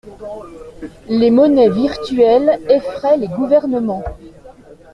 Les monnaies virtuelles effraient les gouvernements.